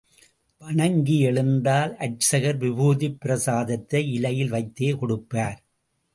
வணங்கி எழுந்தால் அர்ச்சகர் விபூதிப் பிரசாதத்தை இலையில் வைத்தே கொடுப்பார்.